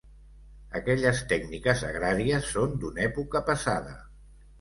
Aquelles tècniques agràries són d'una època passada.